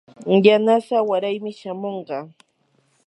yanasaa waraymi shamunqa.